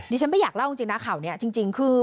ฉันไม่อยากเล่าจริงนะข่าวนี้จริงคือ